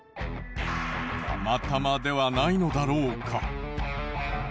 たまたまではないのだろうか？